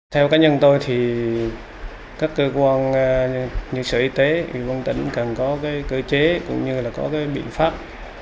theo cá nhân tôi thì các cơ quan như sở y tế ủy quân tỉnh cần có cơ chế cũng như là có biện pháp